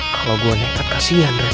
kalau gua nekat kasihan reva